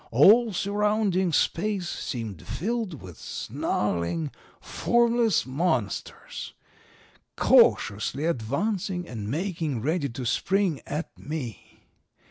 All surrounding space seemed filled with snarling, formless monsters, cautiously advancing and making ready to spring at me.